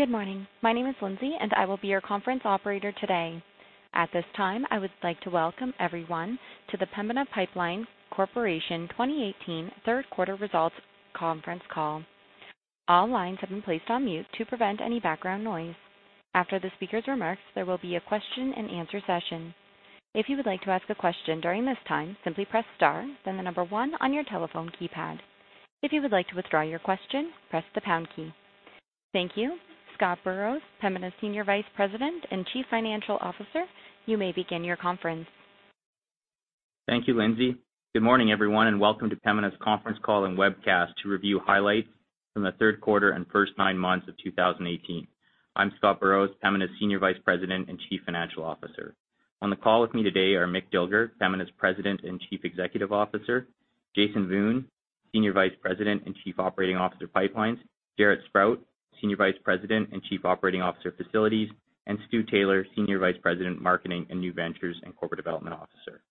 Good morning. My name is Lindsay, and I will be your conference operator today. At this time, I would like to welcome everyone to the Pembina Pipeline Corporation 2018 third quarter results conference call. All lines have been placed on mute to prevent any background noise. After the speaker's remarks, there will be a question and answer session. If you would like to ask a question during this time, simply press star, then the number one on your telephone keypad. If you would like to withdraw your question, press the pound key. Thank you. Scott Burrows, Pembina Senior Vice President and Chief Financial Officer, you may begin your conference. Thank you, Lindsay. Good morning, everyone, and welcome to Pembina's conference call and webcast to review highlights from the third quarter and first nine months of 2018. I'm Scott Burrows, Pembina's Senior Vice President and Chief Financial Officer. On the call with me today are Mick Dilger, Pembina's President and Chief Executive Officer; Jason Wiun, Senior Vice President and Chief Operating Officer, Pipelines; Jaret Sprott, Senior Vice President and Chief Operating Officer, Facilities; and Stu Taylor, Senior Vice President, Marketing and New Ventures, and Corporate Development Officer.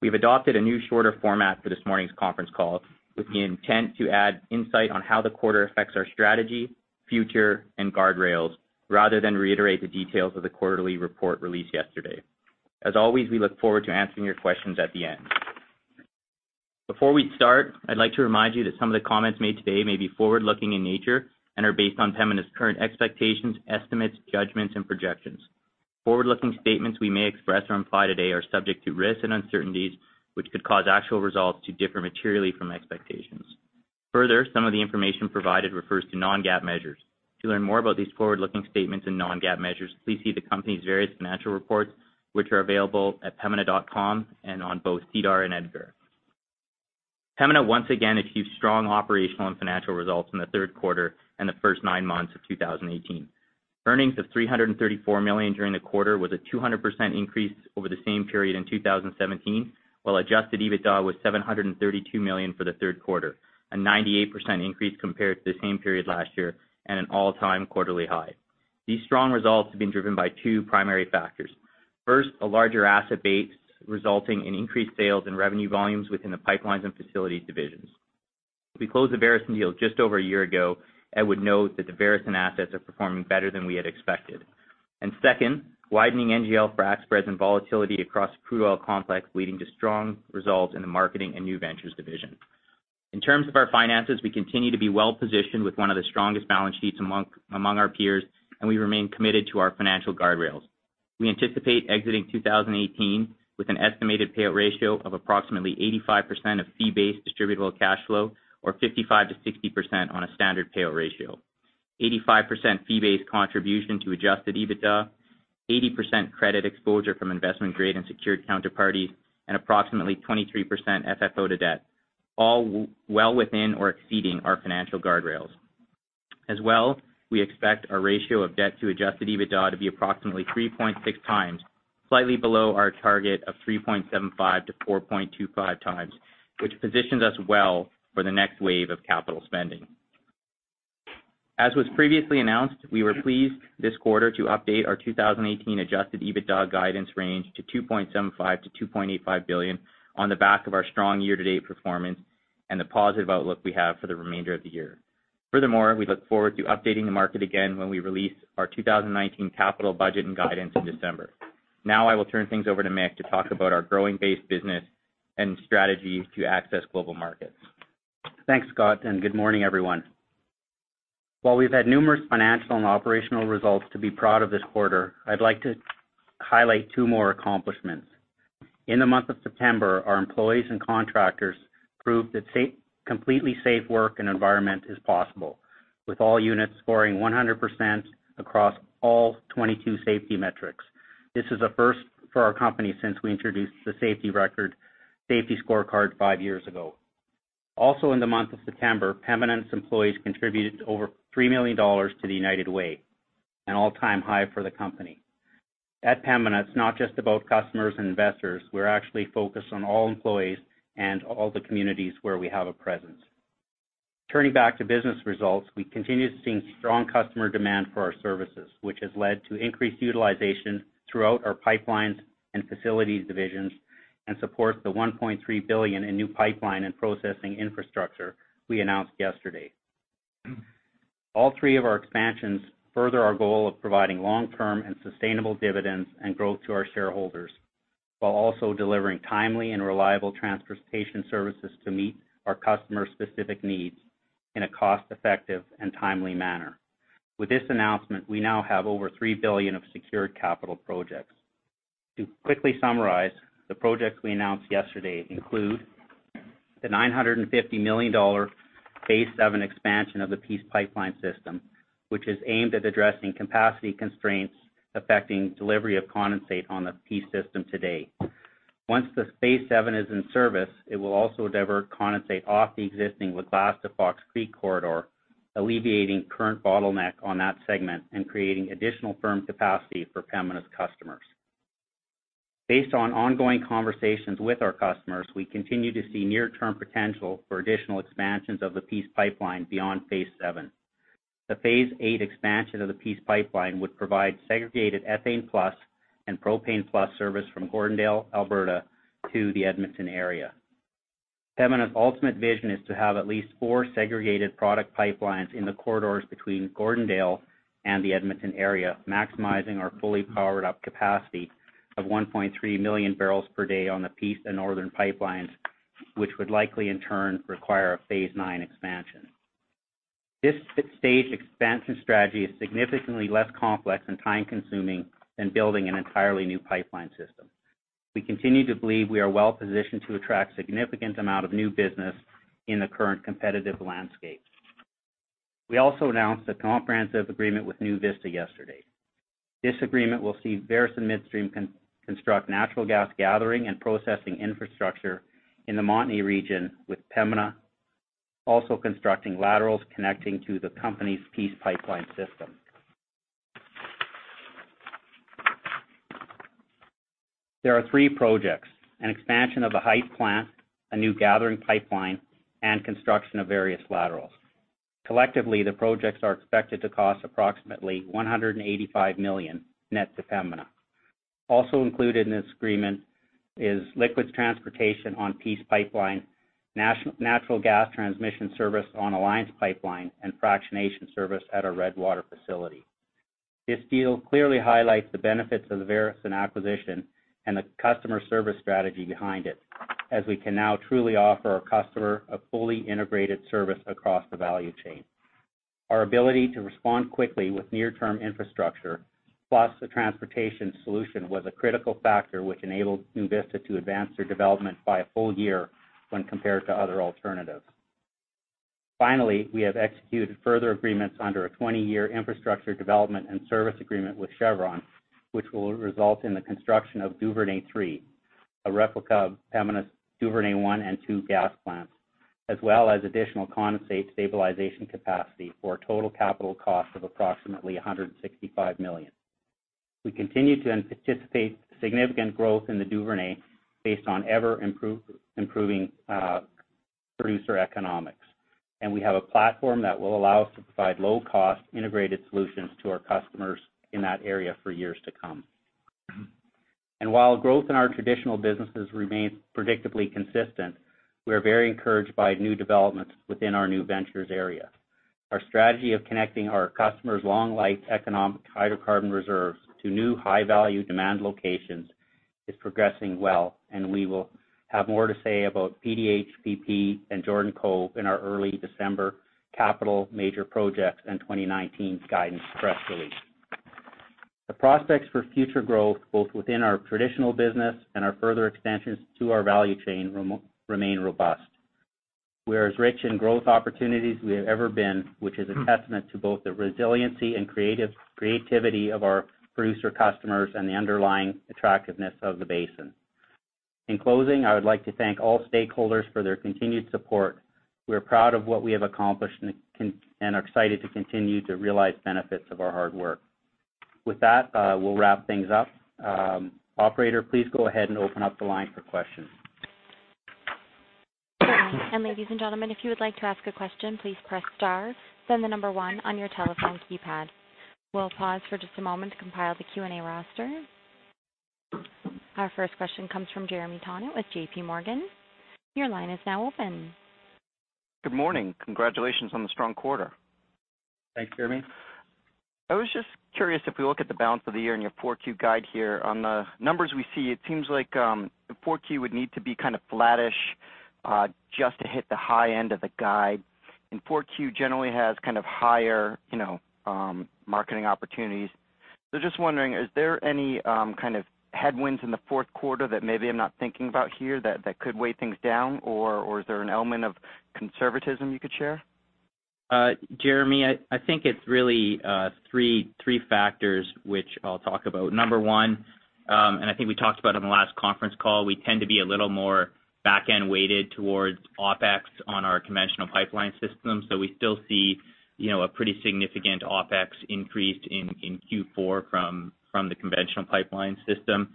We've adopted a new shorter format for this morning's conference call with the intent to add insight on how the quarter affects our strategy, future, and guardrails, rather than reiterate the details of the quarterly report released yesterday. As always, we look forward to answering your questions at the end. Before we start, I'd like to remind you that some of the comments made today may be forward-looking in nature and are based on Pembina's current expectations, estimates, judgments, and projections. Forward-looking statements we may express or imply today are subject to risks and uncertainties, which could cause actual results to differ materially from expectations. Further, some of the information provided refers to non-GAAP measures. To learn more about these forward-looking statements and non-GAAP measures, please see the company's various financial reports, which are available at pembina.com and on both SEDAR and EDGAR. Pembina once again achieved strong operational and financial results in the third quarter and the first nine months of 2018. Earnings of 334 million during the quarter was a 200% increase over the same period in 2017, while adjusted EBITDA was 732 million for the third quarter, a 98% increase compared to the same period last year and an all-time quarterly high. These strong results have been driven by two primary factors. First, a larger asset base resulting in increased sales and revenue volumes within the pipelines and facilities divisions. We closed the Veresen deal just over a year ago and would note that the Veresen assets are performing better than we had expected. Second, widening NGL frac spreads and volatility across the crude oil complex, leading to strong results in the marketing and new ventures division. In terms of our finances, we continue to be well-positioned with one of the strongest balance sheets among our peers, and we remain committed to our financial guardrails. We anticipate exiting 2018 with an estimated payout ratio of approximately 85% of fee-based distributable cash flow or 55%-60% on a standard payout ratio, 85% fee-based contribution to adjusted EBITDA, 80% credit exposure from investment-grade and secured counterparties, and approximately 23% FFO to debt, all well within or exceeding our financial guardrails. As well, we expect our ratio of debt to adjusted EBITDA to be approximately 3.6 times, slightly below our target of 3.75-4.25 times, which positions us well for the next wave of capital spending. As was previously announced, we were pleased this quarter to update our 2018 adjusted EBITDA guidance range to 2.75 billion-2.85 billion on the back of our strong year-to-date performance and the positive outlook we have for the remainder of the year. We look forward to updating the market again when we release our 2019 capital budget and guidance in December. I will turn things over to Mick to talk about our growing base business and strategies to access global markets. Thanks, Scott, and good morning, everyone. While we've had numerous financial and operational results to be proud of this quarter, I'd like to highlight two more accomplishments. In the month of September, our employees and contractors proved that completely safe work and environment is possible, with all units scoring 100% across all 22 safety metrics. This is a first for our company since we introduced the safety scorecard five years ago. Also, in the month of September, Pembina's employees contributed over 3 million dollars to the United Way, an all-time high for the company. At Pembina, it's not just about customers and investors. We're actually focused on all employees and all the communities where we have a presence. Turning back to business results, we continue to see strong customer demand for our services, which has led to increased utilization throughout our pipelines and facilities divisions and supports the 1.3 billion in new pipeline and processing infrastructure we announced yesterday. All three of our expansions further our goal of providing long-term and sustainable dividends and growth to our shareholders while also delivering timely and reliable transportation services to meet our customers' specific needs in a cost-effective and timely manner. With this announcement, we now have over 3 billion of secured capital projects. To quickly summarize, the projects we announced yesterday include the 950 million dollar Phase VII expansion of the Peace Pipeline system, which is aimed at addressing capacity constraints affecting delivery of condensate on the Peace system today. Once the Phase VII is in service, it will also divert condensate off the existing Lac La Biche to Fox Creek corridor, alleviating current bottleneck on that segment and creating additional firm capacity for Pembina's customers. Based on ongoing conversations with our customers, we continue to see near-term potential for additional expansions of the Peace Pipeline beyond Phase VII. The Phase VIII expansion of the Peace Pipeline would provide segregated ethane+ and propane+ service from Gordondale, Alberta to the Edmonton area. Pembina's ultimate vision is to have at least four segregated product pipelines in the corridors between Gordondale and the Edmonton area, maximizing our fully powered-up capacity of 1.3 million barrels per day on the Peace and Northern pipelines, which would likely in turn require a Phase 1 expansion. This 6-stage expansion strategy is significantly less complex and time-consuming than building an entirely new pipeline system. We continue to believe we are well-positioned to attract a significant amount of new business in the current competitive landscape. We also announced a comprehensive agreement with NuVista yesterday. This agreement will see Veresen Midstream construct natural gas gathering and processing infrastructure in the Montney region, with Pembina also constructing laterals connecting to the company's Peace Pipeline system. There are three projects, an expansion of a Hythe Gas Plant, a new gathering pipeline, and construction of various laterals. Collectively, the projects are expected to cost approximately 185 million, net to Pembina. Also included in this agreement is liquids transportation on Peace Pipeline, natural gas transmission service on Alliance Pipeline, and fractionation service at our Redwater facility. This deal clearly highlights the benefits of the Veresen acquisition and the customer service strategy behind it, as we can now truly offer our customer a fully integrated service across the value chain. Our ability to respond quickly with near-term infrastructure, plus the transportation solution, was a critical factor which enabled NuVista to advance their development by a full year when compared to other alternatives. Finally, we have executed further agreements under a 20-year infrastructure development and service agreement with Chevron, which will result in the construction of Duvernay III, a replica of Pembina's Duvernay I and II gas plants, as well as additional condensate stabilization capacity for a total capital cost of approximately 165 million. We continue to anticipate significant growth in the Duvernay based on ever-improving producer economics. We have a platform that will allow us to provide low-cost integrated solutions to our customers in that area for years to come. While growth in our traditional businesses remains predictably consistent, we are very encouraged by new developments within our new ventures area. Our strategy of connecting our customers' long-life economic hydrocarbon reserves to new high-value demand locations is progressing well. We will have more to say about PDH, PP, and Jordan Cove in our early December capital, major projects, and 2019 guidance press release. The prospects for future growth, both within our traditional business and our further extensions to our value chain, remain robust. We are as rich in growth opportunities we have ever been, which is a testament to both the resiliency and creativity of our producer customers and the underlying attractiveness of the basin. In closing, I would like to thank all stakeholders for their continued support. We are proud of what we have accomplished and are excited to continue to realize benefits of our hard work. With that, we will wrap things up. Operator, please go ahead and open up the line for questions. Certainly. Ladies and gentlemen, if you would like to ask a question, please press star, then the number one on your telephone keypad. We will pause for just a moment to compile the Q&A roster. Our first question comes from Jeremy Tonet with JPMorgan. Your line is now open. Good morning. Congratulations on the strong quarter. Thanks, Jeremy. I was just curious, if we look at the balance of the year and your 4Q guide here, on the numbers we see, it seems like 4Q would need to be kind of flattish, just to hit the high end of the guide. 4Q generally has kind of higher marketing opportunities. Just wondering, is there any kind of headwinds in the fourth quarter that maybe I'm not thinking about here that could weigh things down, or is there an element of conservatism you could share? Jeremy, I think it's really three factors, which I'll talk about. Number one, I think we talked about on the last conference call, we tend to be a little more back-end weighted towards OpEx on our conventional pipeline system. We still see a pretty significant OpEx increase in Q4 from the conventional pipeline system.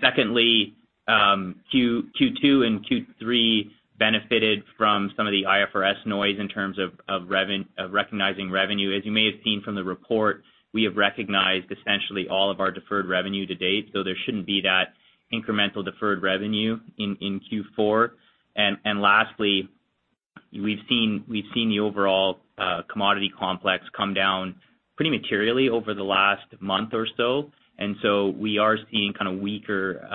Secondly, Q2 and Q3 benefited from some of the IFRS noise in terms of recognizing revenue. As you may have seen from the report, we have recognized essentially all of our deferred revenue to date, there shouldn't be that incremental deferred revenue in Q4. Lastly, we've seen the overall commodity complex come down pretty materially over the last month or so. We are seeing kind of weaker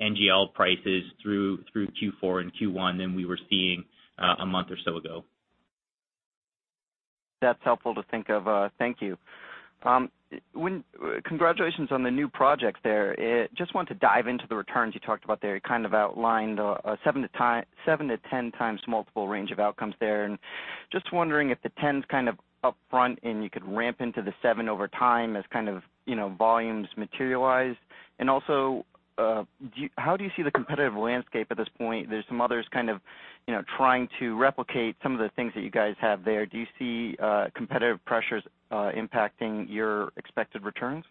NGL prices through Q4 and Q1 than we were seeing a month or so ago. That's helpful to think of. Thank you. Congratulations on the new project there. Just want to dive into the returns you talked about there. You kind of outlined a 7x to 10x multiple range of outcomes there, just wondering if the 10's kind of upfront and you could ramp into the 7 over time as volumes materialize. Also, how do you see the competitive landscape at this point? There's some others trying to replicate some of the things that you guys have there. Do you see competitive pressures impacting your expected returns?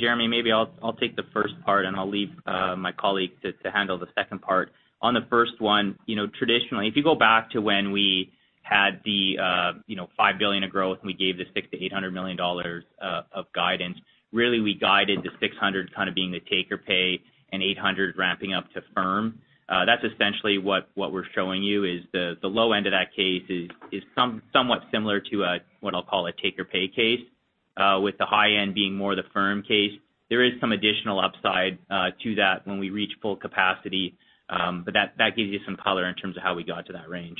Jeremy, maybe I'll take the first part, and I'll leave my colleague to handle the second part. On the first one, traditionally, if you go back to when we Had the 5 billion of growth, we gave the 600 million-800 million dollars of guidance. Really, we guided the 600 being the take or pay, and 800 ramping up to firm. That's essentially what we're showing you, is the low end of that case is somewhat similar to a, what I'll call a take or pay case, with the high end being more the firm case. There is some additional upside to that when we reach full capacity. That gives you some color in terms of how we got to that range.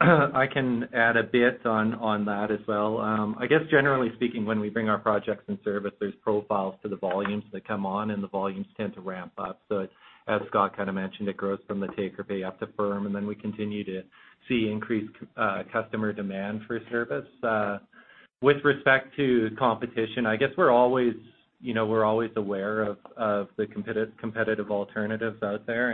I can add a bit on that as well. I guess, generally speaking, when we bring our projects and service, there's profiles to the volumes that come on, and the volumes tend to ramp up. As Scott mentioned, it grows from the take or pay up to firm, and then we continue to see increased customer demand for service. With respect to competition, I guess we're always aware of the competitive alternatives out there.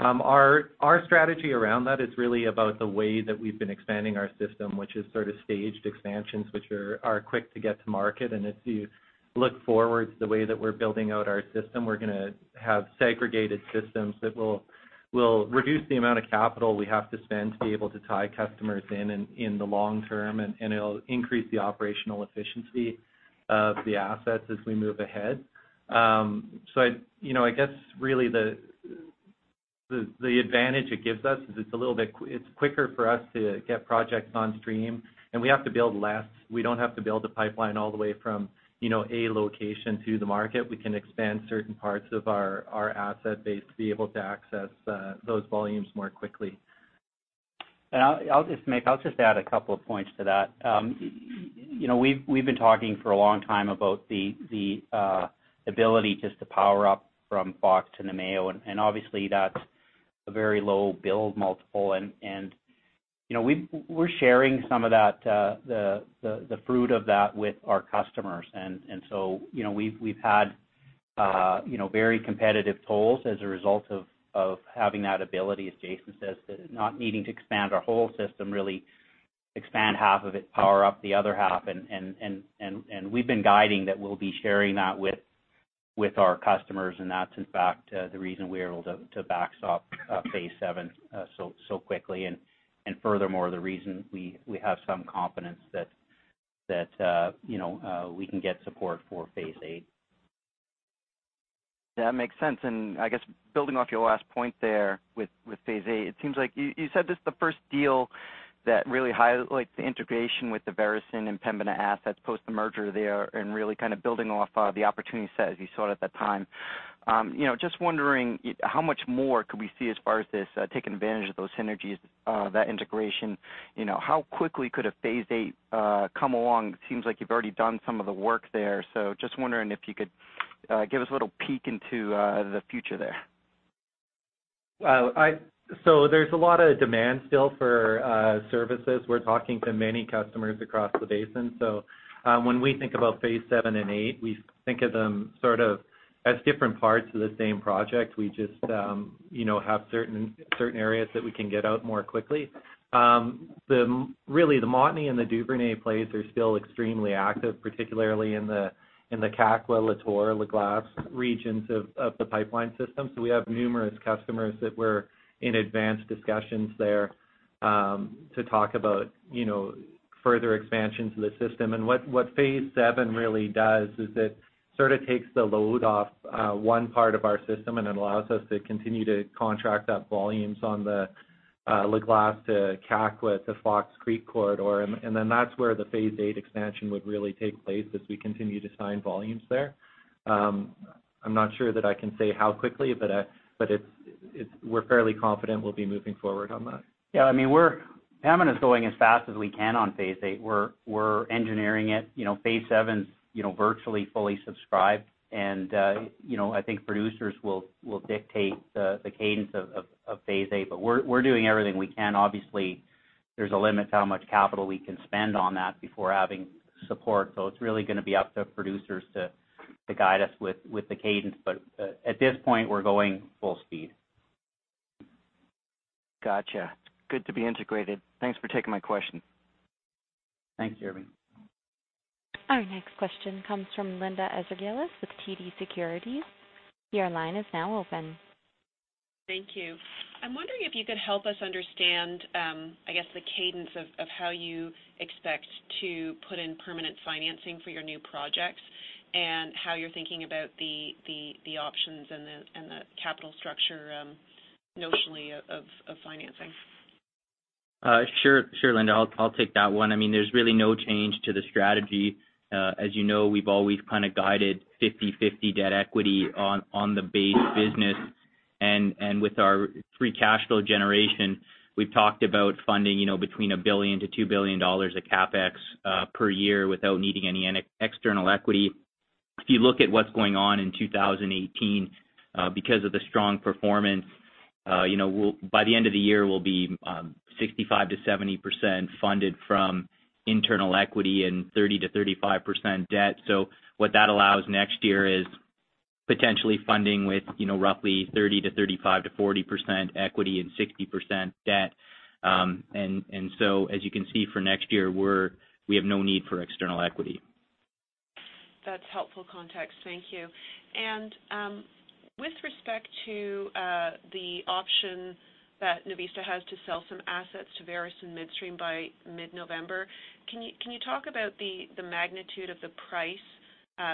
Our strategy around that is really about the way that we've been expanding our system, which is sort of staged expansions, which are quick to get to market. As you look forward to the way that we're building out our system, we're going to have segregated systems that will reduce the amount of capital we have to spend to be able to tie customers in the long term, and it'll increase the operational efficiency of the assets as we move ahead. I guess really the advantage it gives us is it's quicker for us to get projects on stream, and we have to build less. We don't have to build a pipeline all the way from A location to the market. We can expand certain parts of our asset base to be able to access those volumes more quickly. Mick, I'll just add a couple of points to that. We've been talking for a long time about the ability just to power up from Fox to Namao, and obviously, that's a very low build multiple, and we're sharing some of the fruit of that with our customers. We've had very competitive tolls as a result of having that ability, as Jason says, not needing to expand our whole system, really expand half of it, power up the other half, and we've been guiding that we'll be sharing that with our customers, and that's in fact, the reason we're able to backstop Phase VII so quickly. Furthermore, the reason we have some confidence that we can get support for Phase VIII. That makes sense. I guess building off your last point there with Phase VIII, it seems like you said this is the first deal that really highlights the integration with the Veresen and Pembina assets post the merger there, and really building off the opportunity set as you saw it at that time. Just wondering, how much more could we see as far as this, taking advantage of those synergies, that integration? How quickly could a Phase VIII come along? It seems like you've already done some of the work there, so just wondering if you could give us a little peek into the future there. There's a lot of demand still for services. We're talking to many customers across the basin. When we think about Phase VII and Phase VIII, we think of them sort of as different parts of the same project. We just have certain areas that we can get out more quickly. The Montney and the Duvernay plays are still extremely active, particularly in the Kakwa, Lator, La Glace regions of the pipeline system. We have numerous customers that we're in advanced discussions there, to talk about further expansions of the system. What Phase VII really does is it sort of takes the load off one part of our system, and it allows us to continue to contract that volumes on the La Glace to Kakwa to Fox Creek corridor. That's where the Phase VIII expansion would really take place, as we continue to sign volumes there. I'm not sure that I can say how quickly, but we're fairly confident we'll be moving forward on that. Pembina is going as fast as we can on Phase VIII. We're engineering it. Phase VII's virtually fully subscribed. I think producers will dictate the cadence of Phase VIII. We're doing everything we can. Obviously, there's a limit to how much capital we can spend on that before having support. It's really going to be up to producers to guide us with the cadence. At this point, we're going full speed. Gotcha. Good to be integrated. Thanks for taking my question. Thanks, Jeremy. Our next question comes from Linda Ezergailis with TD Securities. Your line is now open. Thank you. I'm wondering if you could help us understand, I guess, the cadence of how you expect to put in permanent financing for your new projects, and how you're thinking about the options and the capital structure, notionally, of financing. Sure, Linda, I'll take that one. There's really no change to the strategy. As you know, we've always kind of guided 50/50 debt equity on the base business. With our free cash flow generation, we've talked about funding between 1 billion-2 billion dollars of CapEx per year without needing any external equity. If you look at what's going on in 2018, because of the strong performance, by the end of the year, we'll be 65%-70% funded from internal equity and 30%-35% debt. What that allows next year is potentially funding with roughly 30% to 35% to 40% equity and 60% debt. As you can see for next year, we have no need for external equity. That's helpful context. Thank you. With respect to the option that NuVista Energy has to sell some assets to Veresen Midstream by mid-November, can you talk about the magnitude of the price,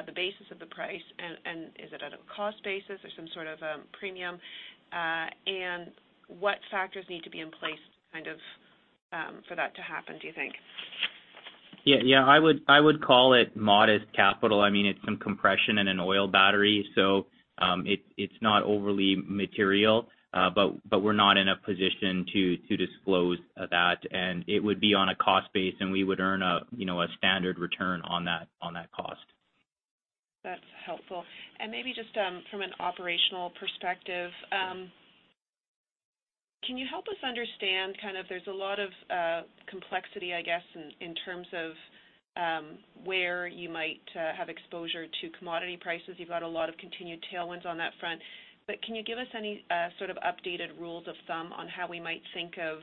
the basis of the price, and is it at a cost basis or some sort of premium? What factors need to be in place for that to happen, do you think? Yeah. I would call it modest capital. It's some compression and an oil battery. It's not overly material. We're not in a position to disclose that, and it would be on a cost base, and we would earn a standard return on that cost. That's helpful. Maybe just from an operational perspective, can you help us understand, there's a lot of complexity, I guess, in terms of where you might have exposure to commodity prices. You've got a lot of continued tailwinds on that front, but can you give us any sort of updated rules of thumb on how we might think of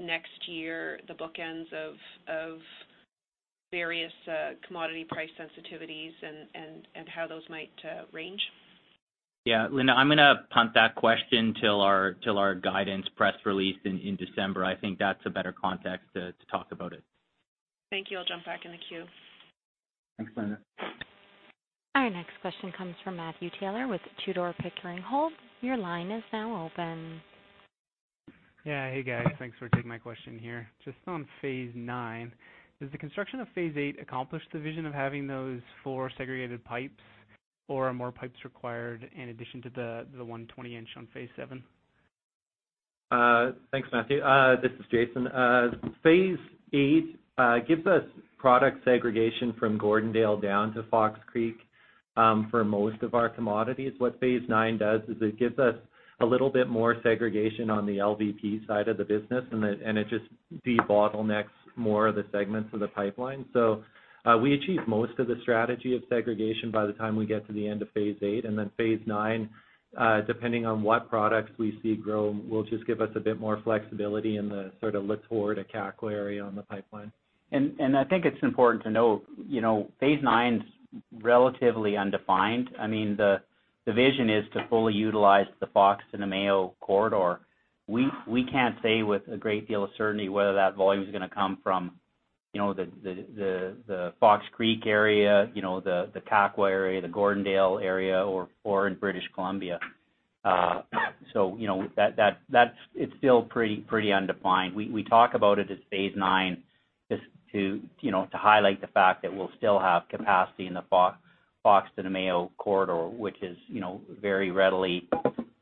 next year, the bookends of various commodity price sensitivities and how those might range? Yeah. Linda, I'm gonna punt that question till our guidance press release in December. I think that's a better context to talk about it. Thank you. I'll jump back in the queue. Thanks, Linda. Our next question comes from Matthew Taylor with Tudor, Pickering Holt. Your line is now open. Yeah. Hey, guys. Thanks for taking my question here. Just on Phase IX, does the construction of Phase VIII accomplish the vision of having those four segregated pipes, or are more pipes required in addition to the one 20-inch on Phase VII? Thanks, Matthew. This is Jason Wiun. Phase VIII gives us product segregation from Gordondale down to Fox Creek for most of our commodities. What Phase IX does is it gives us a little bit more segregation on the LVP side of the business, and it just debottlenecks more of the segments of the pipeline. We achieve most of the strategy of segregation by the time we get to the end of Phase VIII. Phase IX, depending on what products we see grow, will just give us a bit more flexibility in the sort of Lator to Kakwa area on the pipeline. I think it's important to note, Phase IX's relatively undefined. The vision is to fully utilize the Fox and the Namao corridor. We can't say with a great deal of certainty whether that volume's gonna come from the Fox Creek area, the Kakwa area, the Gordondale area, or in British Columbia. It's still pretty undefined. We talk about it as Phase IX just to highlight the fact that we'll still have capacity in the Fox to the Namao corridor, which is very readily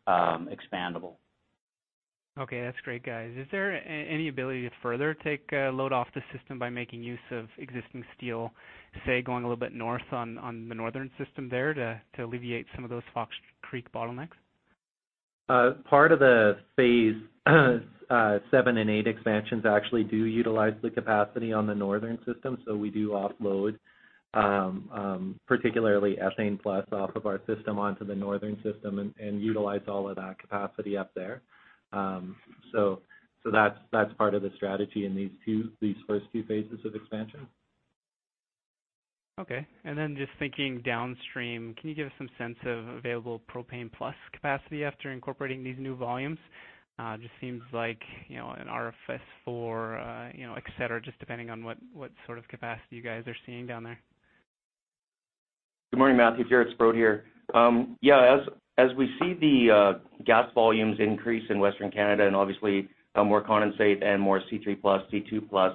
expandable. Okay. That's great, guys. Is there any ability to further take a load off the system by making use of existing steel, say, going a little bit north on the northern system there to alleviate some of those Fox Creek bottlenecks? Part of the Phase VII and VIII expansions actually do utilize the capacity on the northern system. We do offload, particularly ethane plus off of our system onto the northern system and utilize all of that capacity up there. That's part of the strategy in these first two phases of expansion. Okay. Then just thinking downstream, can you give us some sense of available propane-plus capacity after incorporating these new volumes? Just seems like, an RFS IV, et cetera, just depending on what sort of capacity you guys are seeing down there. Good morning, Matthew. Jaret Sprott here. As we see the gas volumes increase in Western Canada and obviously more condensate and more C3 plus C2 plus,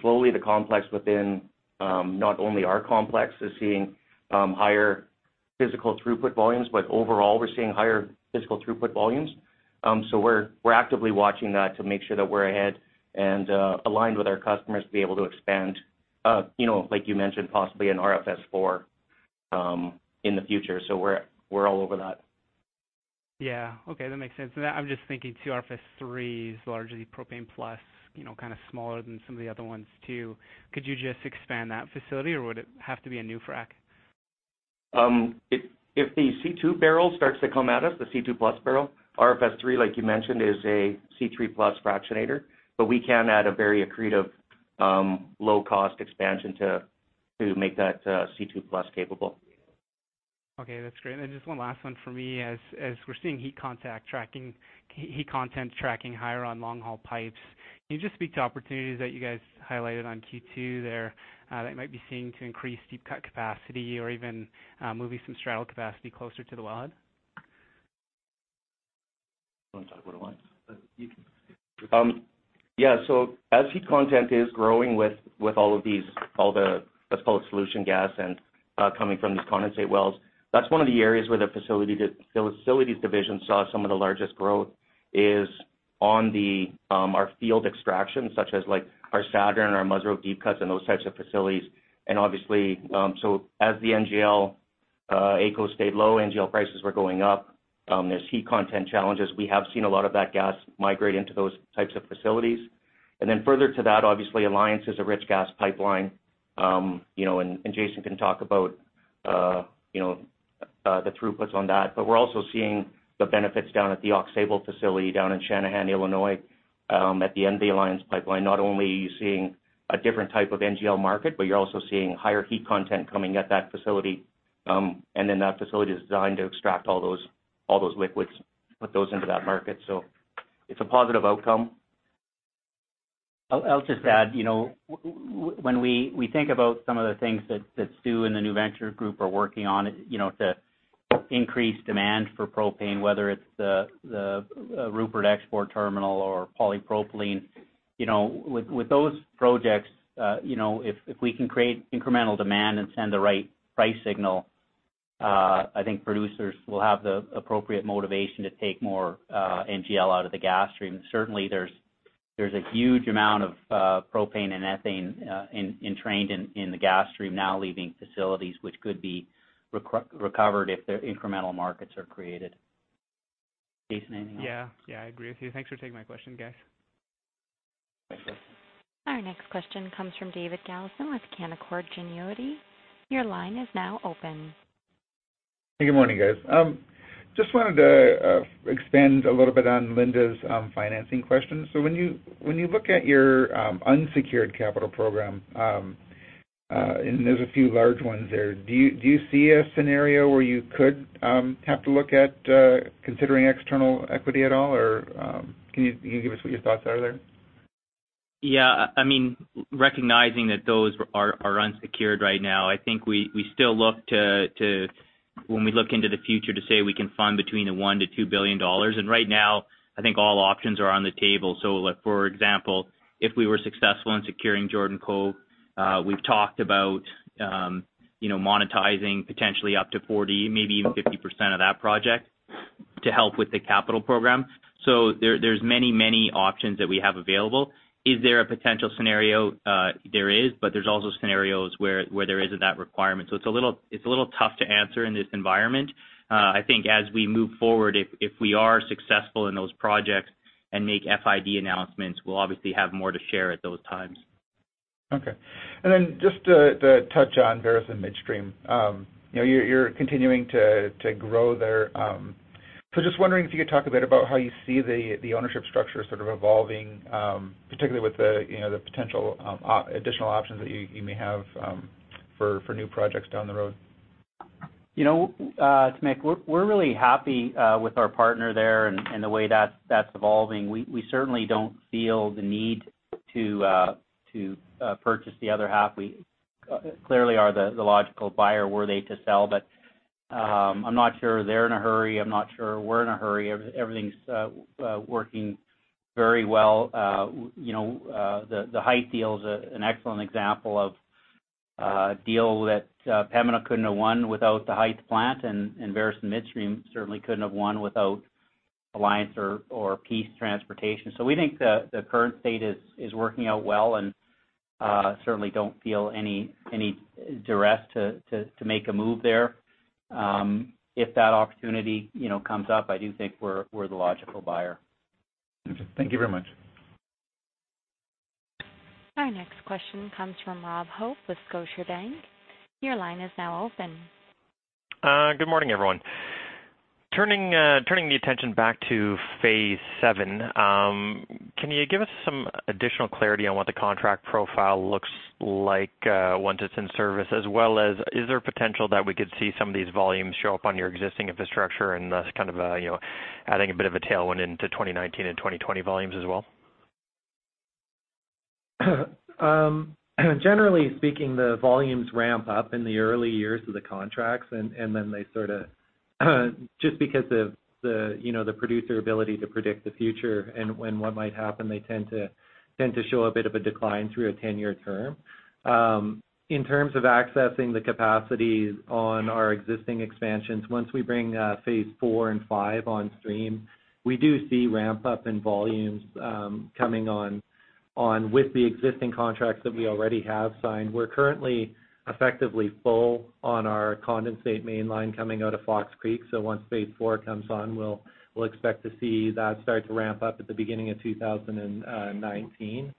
slowly the complex within, not only our complex is seeing higher physical throughput volumes, but overall, we're seeing higher physical throughput volumes. We're actively watching that to make sure that we're ahead and aligned with our customers to be able to expand, like you mentioned, possibly an RFS IV in the future. We're all over that. Okay. That makes sense. I'm just thinking, too, RFS III is largely propane-plus, kind of smaller than some of the other ones, too. Could you just expand that facility, or would it have to be a new frack? If the C2 barrel starts to come at us, the C2 plus barrel, RFS III, like you mentioned, is a C3 plus fractionator. We can add a very accretive, low-cost expansion to make that C2 plus capable. Okay, that's great. Just one last one for me. As we're seeing heat content tracking higher on long-haul pipes, can you just speak to opportunities that you guys highlighted on Q2 there that might be seeing to increase deep cut capacity or even moving some straddle capacity closer to the wellhead? You want to talk about it, or You can. As heat content is growing with all the supposed solution gas and coming from these condensate wells, that's one of the areas where the facilities division saw some of the largest growth is on our field extraction, such as like our Saturn, our Musreau deep cuts, and those types of facilities. As the NGL AECO stayed low, NGL prices were going up. There's heat content challenges. We have seen a lot of that gas migrate into those types of facilities. Further to that, obviously, Alliance is a rich gas pipeline, Jason can talk about- the throughputs on that. We're also seeing the benefits down at the Aux Sable facility down in Channahon, Illinois, at the end of the Alliance pipeline. Not only are you seeing a different type of NGL market, but you're also seeing higher heat content coming at that facility. That facility is designed to extract all those liquids, put those into that market. It's a positive outcome. I'll just add, when we think about some of the things that Stu and the new venture group are working on to increase demand for propane, whether it's the Rupert export terminal or polypropylene. With those projects, if we can create incremental demand and send the right price signal, I think producers will have the appropriate motivation to take more NGL out of the gas stream. Certainly, there's a huge amount of propane and ethane entrained in the gas stream now leaving facilities which could be recovered if their incremental markets are created. Jason, anything else? I agree with you. Thanks for taking my question, guys. Thanks. Our next question comes from David Gallison with Canaccord Genuity. Your line is now open. Good morning, guys. Just wanted to expand a little bit on Linda's financing question. When you look at your unsecured capital program, there's a few large ones there, do you see a scenario where you could have to look at considering external equity at all? Can you give us what your thoughts are there? Recognizing that those are unsecured right now, I think we still look to, when we look into the future, to say we can fund between 1 billion-2 billion dollars. Right now, I think all options are on the table. For example, if we were successful in securing Jordan Cove, we've talked about monetizing potentially up to 40%-50% of that project to help with the capital program. There's many options that we have available. Is there a potential scenario? There is, but there's also scenarios where there isn't that requirement. It's a little tough to answer in this environment. I think as we move forward, if we are successful in those projects and make FID announcements, we'll obviously have more to share at those times. Okay. Just to touch on Veresen Midstream. You're continuing to grow there, so just wondering if you could talk a bit about how you see the ownership structure sort of evolving, particularly with the potential additional options that you may have for new projects down the road. You know, it's Mick, we're really happy with our partner there and the way that's evolving. We certainly don't feel the need to purchase the other half. We clearly are the logical buyer were they to sell, but I'm not sure they're in a hurry, I'm not sure we're in a hurry. Everything's working very well. The Hythe deal is an excellent example of a deal that Pembina couldn't have won without the Hythe plant, and Veresen Midstream certainly couldn't have won without Alliance or Peace Transportation. We think the current state is working out well and certainly don't feel any duress to make a move there. If that opportunity comes up, I do think we're the logical buyer. Okay. Thank you very much. Our next question comes from Robert Hope with Scotiabank. Your line is now open. Good morning, everyone. Turning the attention back to Phase VII, can you give us some additional clarity on what the contract profile looks like once it is in service, as well as is there potential that we could see some of these volumes show up on your existing infrastructure and thus kind of adding a bit of a tailwind into 2019 and 2020 volumes as well? Generally speaking, the volumes ramp up in the early years of the contracts, they Just because of the producer ability to predict the future and when what might happen, they tend to show a bit of a decline through a 10-year term. In terms of accessing the capacities on our existing expansions, once we bring Phase 4 and 5 on stream, we do see ramp-up in volumes coming on with the existing contracts that we already have signed. We are currently effectively full on our condensate main line coming out of Fox Creek. Once Phase 4 comes on, we will expect to see that start to ramp up at the beginning of 2019.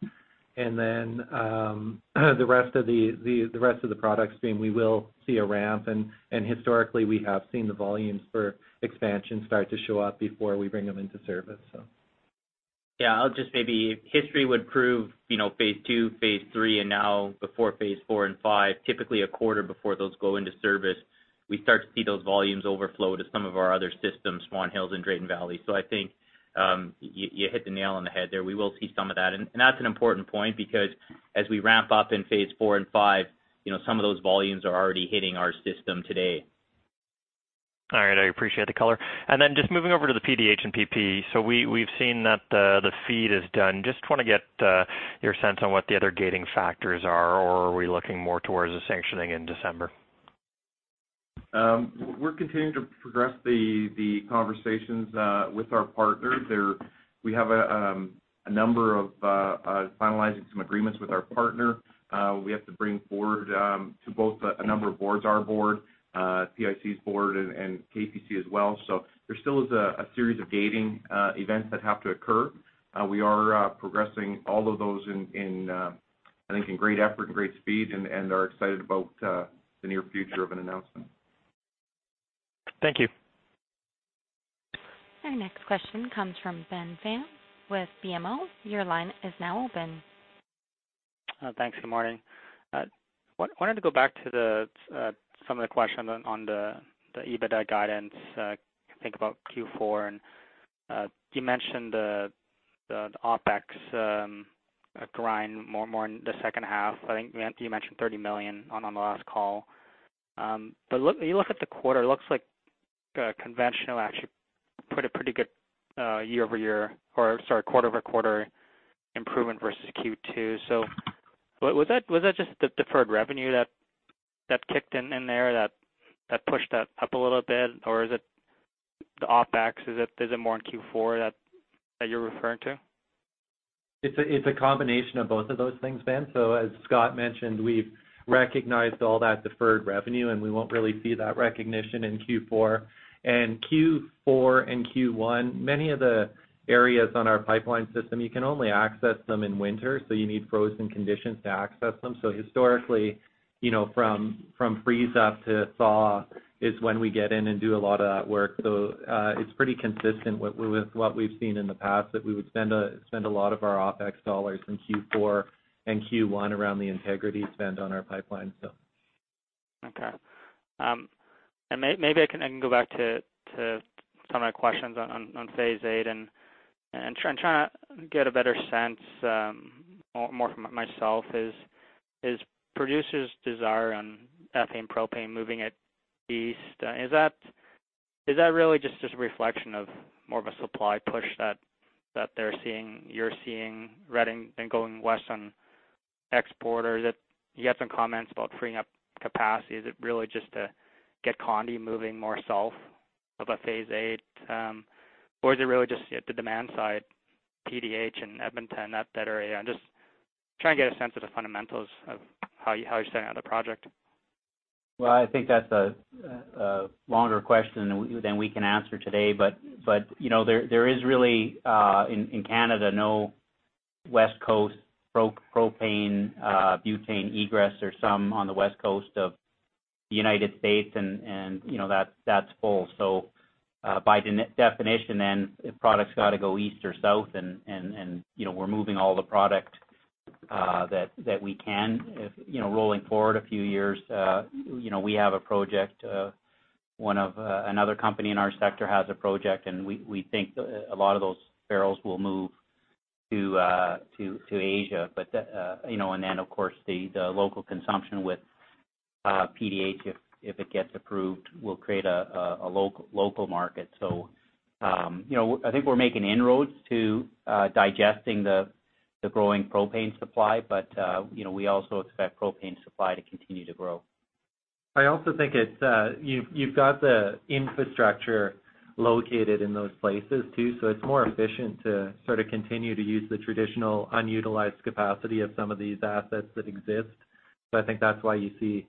The rest of the product stream, we will see a ramp, and historically we have seen the volumes for expansion start to show up before we bring them into service. History would prove, Phase 2, Phase 3, now before Phase 4 and 5, typically a quarter before those go into service, we start to see those volumes overflow to some of our other systems, Swan Hills and Drayton Valley. I think, you hit the nail on the head there. We will see some of that. That's an important point because as we ramp up in Phase 4 and 5, some of those volumes are already hitting our system today. All right. I appreciate the color. Just moving over to the PDH and PP. We've seen that the feed is done. Just want to get your sense on what the other gating factors are, or are we looking more towards the sanctioning in December? We're continuing to progress the conversations with our partner there. We have a number of finalizing some agreements with our partner. We have to bring forward to both a number of boards, our board, PIC's board, and KPC as well. There still is a series of gating events that have to occur. We are progressing all of those in, I think, in great effort and great speed and are excited about the near future of an announcement. Thank you. Our next question comes from Ben Pham with BMO. Your line is now open. Thanks. Good morning. I wanted to go back to some of the questions on the EBITDA guidance, think about Q4, and you mentioned the OpEx grind more in the second half. I think you mentioned 30 million on the last call. You look at the quarter, it looks like conventional actually put a pretty good quarter-over-quarter improvement versus Q2. Was that just the deferred revenue that kicked in there, that pushed that up a little bit? Or is it the OpEx? Is it more in Q4 that you're referring to? It's a combination of both of those things, Ben. As Scott mentioned, we've recognized all that deferred revenue, and we won't really see that recognition in Q4. Q4 and Q1, many of the areas on our pipeline system, you can only access them in winter, you need frozen conditions to access them. Historically, from freeze-up to thaw is when we get in and do a lot of that work. It's pretty consistent with what we've seen in the past, that we would spend a lot of our OpEx dollars in Q4 and Q1 around the integrity spend on our pipeline. Okay. Maybe I can go back to some of my questions on Phase VIII and trying to get a better sense, more from myself is producers' desire on ethane, propane moving it east? Is that really just a reflection of more of a supply push that you're seeing rather than going west on export? Is it, you had some comments about freeing up capacity. Is it really just to get Condi moving more south of a Phase VIII, or is it really just the demand side, PDH in Edmonton, that area? I'm just trying to get a sense of the fundamentals of how you're setting out a project. Well, I think that's a longer question than we can answer today. There is really, in Canada, no West Coast propane, butane egress. There's some on the West Coast of the United States, and that's full. By definition, product's got to go east or south, we're moving all the product that we can. Rolling forward a few years, we have a project, Another company in our sector has a project, and we think a lot of those barrels will move to Asia. Then, of course, the local consumption with PDH, if it gets approved, will create a local market. I think we're making inroads to digesting the growing propane supply, we also expect propane supply to continue to grow. I also think you've got the infrastructure located in those places, too, it's more efficient to sort of continue to use the traditional unutilized capacity of some of these assets that exist. I think that's why you see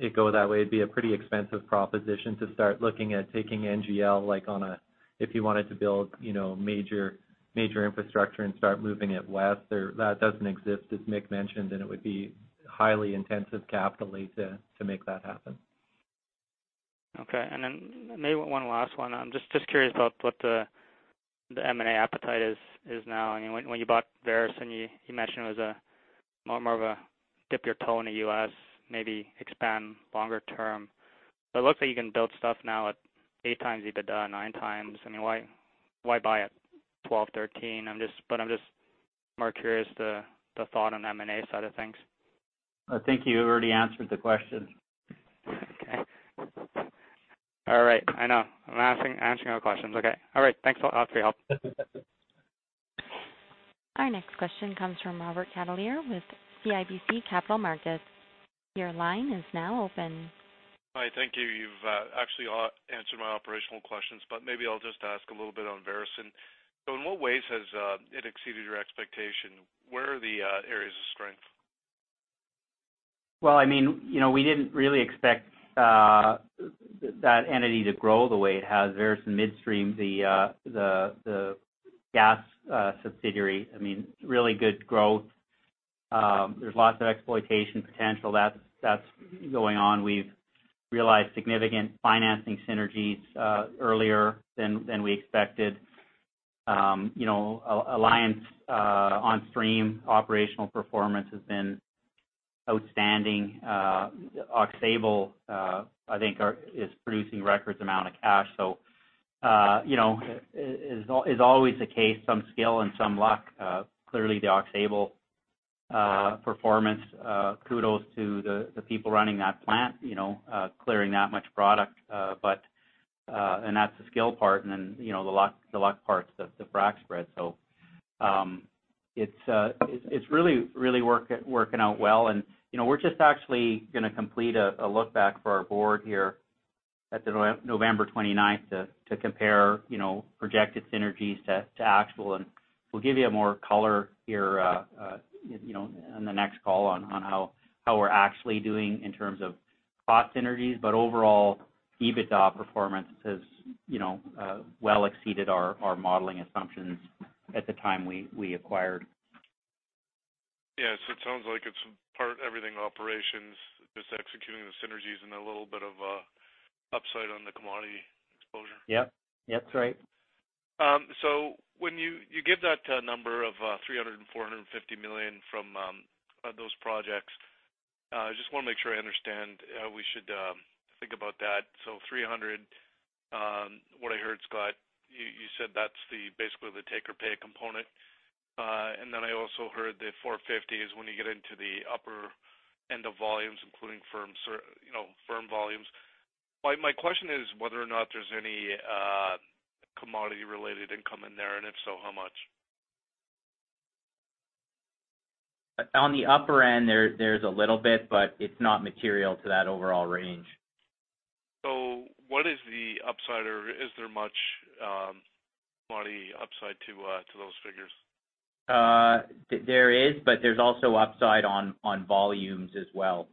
it go that way. It'd be a pretty expensive proposition to start looking at taking NGL, if you wanted to build major infrastructure and start moving it west, or that doesn't exist, as Mick mentioned, it would be highly intensive capitally to make that happen. Okay. Maybe one last one. I'm just curious about what the M&A appetite is now. When you bought Veresen, you mentioned it was more of a dip your toe in the U.S., maybe expand longer term. It looks like you can build stuff now at 8 times EBITDA, 9 times. Why buy at 12, 13? I'm just more curious, the thought on M&A side of things. I think you already answered the question. Okay. All right. I know. I'm asking and answering all questions. Okay. All right. Thanks a lot for your help. Our next question comes from Robert Catellier with CIBC Capital Markets. Your line is now open. Hi. Thank you. You've actually answered my operational questions, but maybe I'll just ask a little bit on Veresen. In what ways has it exceeded your expectation? Where are the areas of strength? We didn't really expect that entity to grow the way it has. Veresen Midstream, the gas subsidiary, really good growth. There's lots of exploitation potential that's going on. We've realized significant financing synergies earlier than we expected. Alliance on stream operational performance has been outstanding. Aux Sable, I think, is producing records amount of cash. As is always the case, some skill and some luck. Clearly the Aux Sable performance, kudos to the people running that plant, clearing that much product. That's the skill part, and the luck part's the frac spread. It's really working out well, and we're just actually going to complete a look back for our board here at November 29th to compare projected synergies to actual, and we'll give you more color here on the next call on how we're actually doing in terms of cost synergies. Overall, EBITDA performance has well exceeded our modeling assumptions at the time we acquired Veresen. Yes. It sounds like it's part everything operations, just executing the synergies and a little bit of upside on the commodity exposure. Yep. That's right. When you give that number of 300 million and 450 million from those projects, I just want to make sure I understand how we should think about that. 300, what I heard, Scott, you said that's basically the take or pay component. I also heard the 450 is when you get into the upper end of volumes, including firm volumes. My question is whether or not there's any commodity-related income in there, and if so, how much? On the upper end, there's a little bit, but it's not material to that overall range. What is the upside, or is there much commodity upside to those figures? There is, but there's also upside on volumes as well.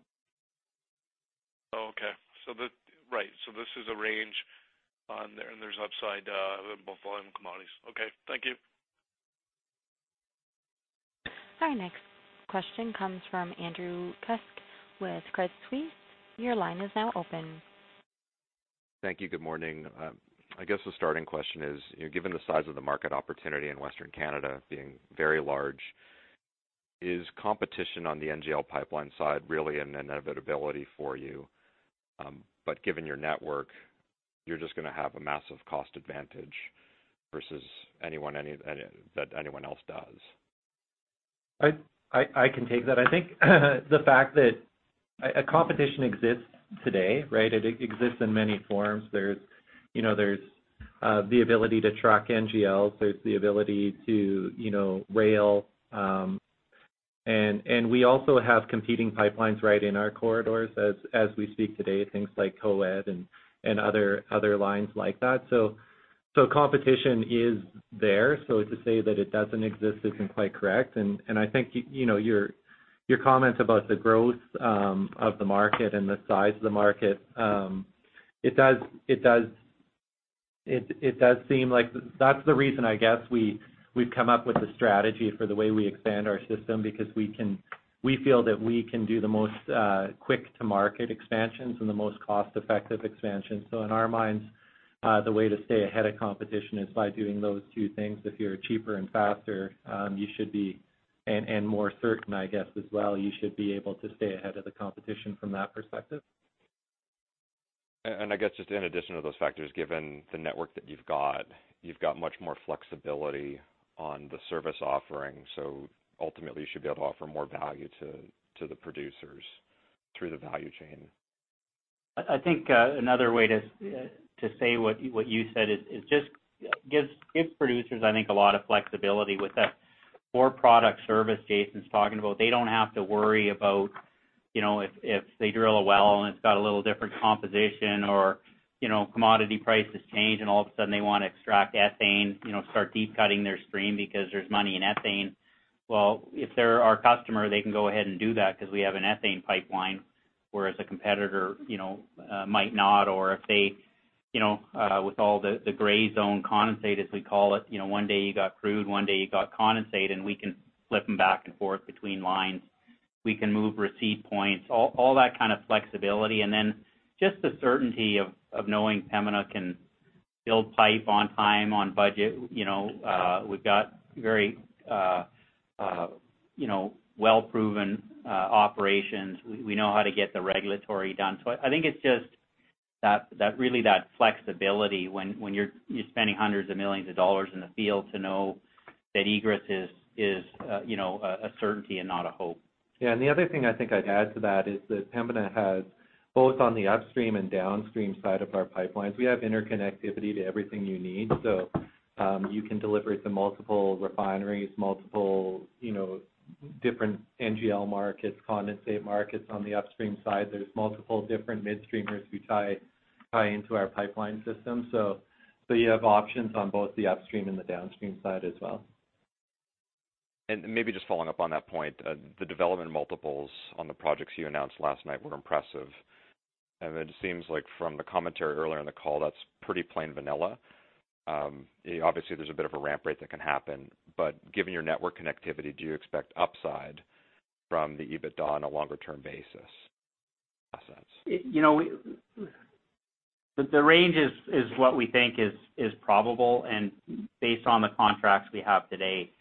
Okay. Right. This is a range on there, and there's upside with both volume and commodities. Okay, thank you. Our next question comes from Andrew Kuske with Credit Suisse. Your line is now open. Thank you. Good morning. I guess the starting question is, given the size of the market opportunity in Western Canada being very large, is competition on the NGL pipeline side really an inevitability for you? Given your network, you're just going to have a massive cost advantage versus that anyone else does. I can take that. I think the fact that a competition exists today, right, it exists in many forms. There's the ability to truck NGLs, there's the ability to rail. We also have competing pipelines right in our corridors as we speak today, things like Cochin and other lines like that. Competition is there. To say that it doesn't exist isn't quite correct. I think your comments about the growth of the market and the size of the market, it does seem like that's the reason, I guess, we've come up with the strategy for the way we expand our system, because we feel that we can do the most quick-to-market expansions and the most cost-effective expansions. In our minds, the way to stay ahead of competition is by doing those two things. If you're cheaper and faster, you should be and more certain, I guess, as well, you should be able to stay ahead of the competition from that perspective. I guess just in addition to those factors, given the network that you've got, you've got much more flexibility on the service offering, ultimately you should be able to offer more value to the producers through the value chain. I think another way to say what you said is just gives producers, I think, a lot of flexibility with that core product service Jason's talking about. They don't have to worry about if they drill a well and it's got a little different composition or commodity prices change and all of a sudden they want to extract ethane, start deep cutting their stream because there's money in ethane. If they're our customer, they can go ahead and do that because we have an ethane pipeline, whereas a competitor might not, or if they, with all the gray zone condensate, as we call it, one day you got crude, one day you got condensate, we can flip them back and forth between lines. We can move receipt points, all that kind of flexibility. Then just the certainty of knowing Pembina can build pipe on time, on budget. We've got very well-proven operations. We know how to get the regulatory done. I think it's just really that flexibility when you're spending CAD hundreds of millions in the field to know that egress is a certainty and not a hope. The other thing I think I'd add to that is that Pembina has, both on the upstream and downstream side of our pipelines, we have interconnectivity to everything you need. You can deliver to multiple refineries, multiple different NGL markets, condensate markets on the upstream side. There's multiple different midstreamers we tie into our pipeline system. You have options on both the upstream and the downstream side as well. Maybe just following up on that point, the development multiples on the projects you announced last night were impressive. It seems like from the commentary earlier in the call, that's pretty plain vanilla. Obviously, there's a bit of a ramp rate that can happen, given your network connectivity, do you expect upside from the EBITDA on a longer-term basis? The range is what we think is probable and based on the contracts we have today.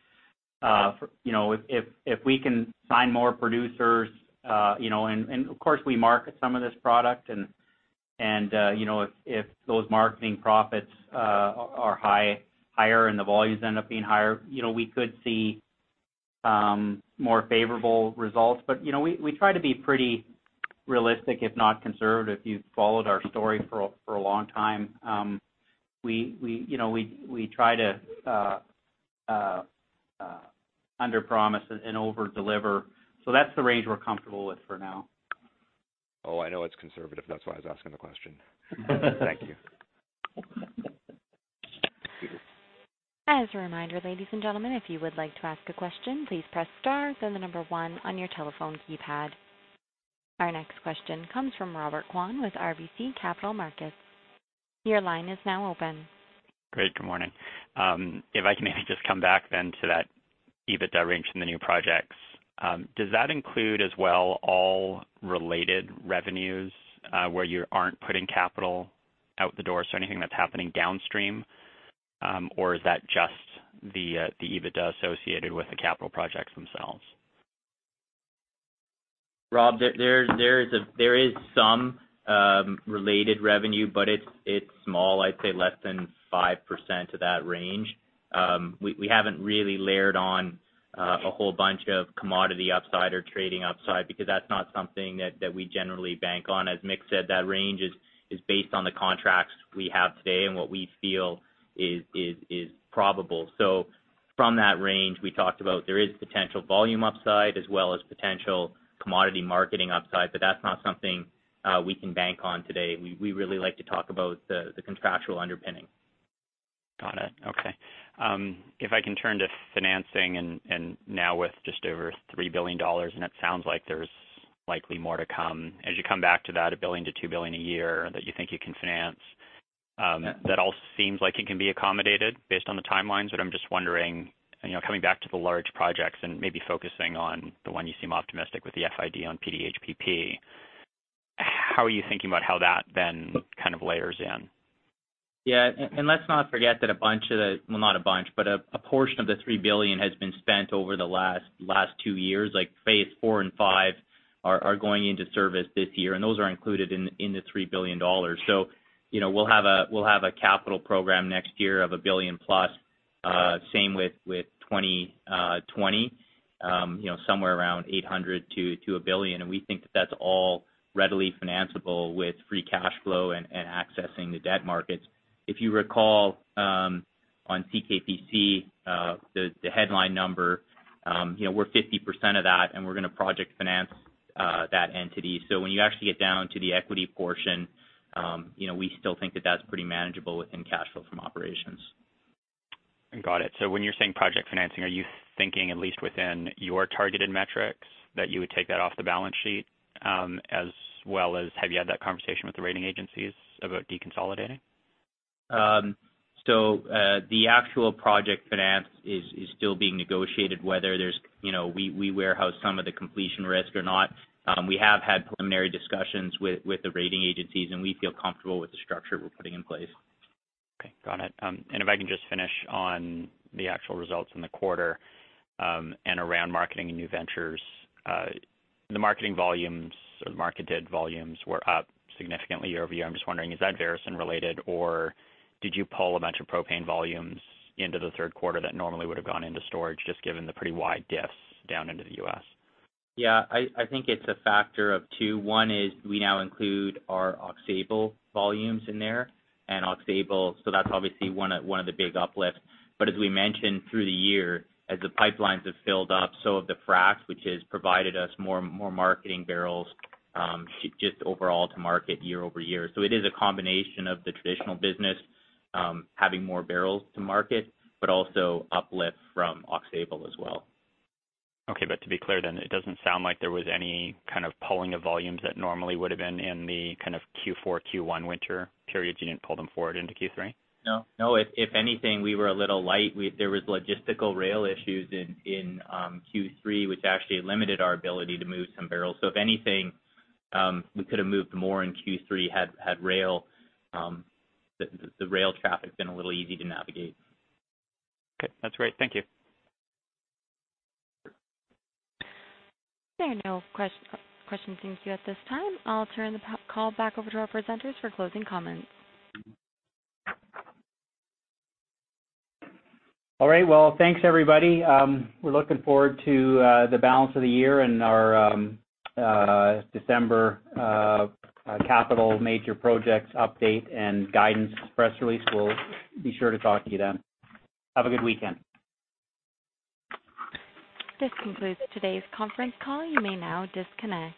If we can sign more producers, and of course, we market some of this product, and if those marketing profits are higher and the volumes end up being higher, we could see more favorable results. We try to be pretty realistic, if not conservative. You've followed our story for a long time. We try to underpromise and overdeliver. That's the range we're comfortable with for now. I know it's conservative. That's why I was asking the question. Thank you. As a reminder, ladies and gentlemen, if you would like to ask a question, please press star 1 on your telephone keypad. Our next question comes from Robert Kwan with RBC Capital Markets. Your line is now open. Great, good morning. If I can just come back to that EBITDA range from the new projects. Does that include as well all related revenues, where you aren't putting capital out the door? Anything that's happening downstream, or is that just the EBITDA associated with the capital projects themselves? Rob, there is some related revenue, but it's small, I'd say less than 5% of that range. We haven't really layered on a whole bunch of commodity upside or trading upside, because that's not something that we generally bank on. As Mike said, that range is based on the contracts we have today and what we feel is probable. From that range, we talked about how there is potential volume upside as well as potential commodity marketing upside, but that's not something we can bank on today. We really like to talk about the contractual underpinning. Got it. Okay. If I can turn to financing now with just over 3 billion dollars, it sounds like there's likely more to come. As you come back to that 1 billion-2 billion a year that you think you can finance, that all seems like it can be accommodated based on the timelines. I'm just wondering, coming back to the large projects and maybe focusing on the one you seem optimistic with the FID on PDH/PP, how are you thinking about how that then layers in? Yeah, let's not forget that a portion of the 3 billion has been spent over the last two years. Phase 4 and 5 are going into service this year, those are included in the 3 billion dollars. We'll have a capital program next year of 1 billion plus. Same with 2020, somewhere around 800 million-1 billion, we think that that's all readily financeable with free cash flow and accessing the debt markets. If you recall, on CKPC, the headline number, we're 50% of that, we're going to project finance that entity. When you actually get down to the equity portion, we still think that that's pretty manageable within cash flow from operations. Got it. When you're saying project financing, are you thinking at least within your targeted metrics that you would take that off the balance sheet? Have you had that conversation with the rating agencies about deconsolidating? The actual project finance is still being negotiated, whether we warehouse some of the completion risk or not. We have had preliminary discussions with the rating agencies, we feel comfortable with the structure we're putting in place. Okay. Got it. If I can just finish on the actual results in the quarter, and around marketing and new ventures. The marketing volumes or the marketed volumes were up significantly year-over-year. I'm just wondering, is that Veresen related, or did you pull a bunch of propane volumes into the third quarter that normally would've gone into storage, just given the pretty wide diffs down into the U.S.? Yeah, I think it's a factor of two. One is we now include our Aux Sable volumes in there. That's obviously one of the big uplifts. As we mentioned through the year, as the pipelines have filled up, so have the fracs, which has provided us more marketing barrels, just overall to market year-over-year. It is a combination of the traditional business, having more barrels to market, but also uplift from Aux Sable as well. Okay. To be clear then, it doesn't sound like there was any kind of pulling of volumes that normally would've been in the Q4, Q1 winter periods. You didn't pull them forward into Q3? No. If anything, we were a little light. There was logistical rail issues in Q3, which actually limited our ability to move some barrels. If anything, we could've moved more in Q3, had the rail traffic been a little easy to navigate. Okay. That's great. Thank you. There are no questions in queue at this time. I'll turn the call back over to our presenters for closing comments. All right. Well, thanks everybody. We're looking forward to the balance of the year and our December capital major projects update and guidance press release. We'll be sure to talk to you then. Have a good weekend. This concludes today's conference call. You may now disconnect.